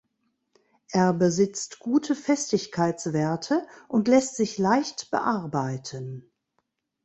Er besitzt gute Festigkeitswerte und lässt sich leicht bearbeiten.